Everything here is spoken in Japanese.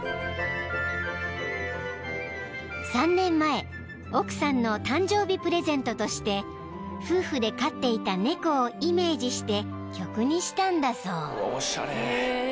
［３年前奥さんの誕生日プレゼントとして夫婦で飼っていた猫をイメージして曲にしたんだそう］